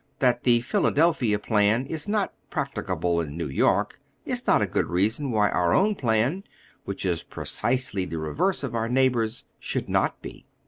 That the Philadelphia plan is not practicable in New York is not a good reason why onr own plan, which is precisely the reverse of our neighbor's, should not be.